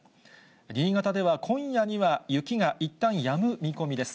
新潟では今夜には雪がいったんやむ見込みです。